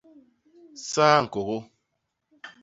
Saa ñkôgô.